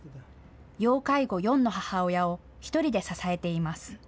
要介護４の母親を１人で支えています。